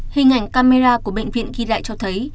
hình ảnh camera của bệnh viện ghi lại cho thấy